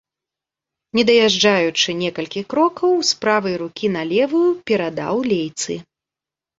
Не даязджаючы некалькі крокаў, з правай рукі на левую перадаў лейцы.